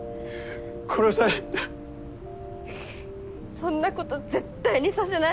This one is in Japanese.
そんなこと絶対にさせない。